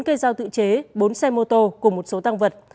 bốn cây dao tự chế bốn xe mô tô cùng một số tăng vật